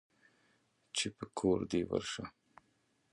چې په کور دى ورشه.